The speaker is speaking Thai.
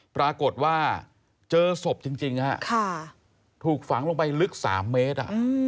ปรากฏว่าเจอศพจริงถูกฝังลงไปลึก๓เมตร